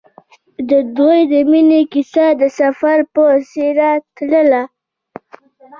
د دوی د مینې کیسه د سفر په څېر تلله.